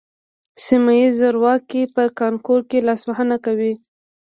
سیمه ییز زورواکي په کانکور کې لاسوهنه کوي